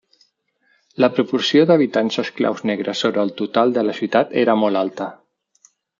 La proporció d'habitants esclaus negres sobre el total de la ciutat era molt alta.